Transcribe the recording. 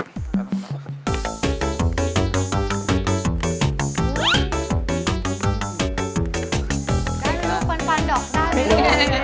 กล้ามลูกปันดอกหน้าดู